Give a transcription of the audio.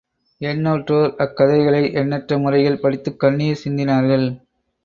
எண்ணற்றோர் அக்கதைகளை எண்ணற்ற முறைகள் படித்துக் கண்ணீர் சிந்தினார்கள்.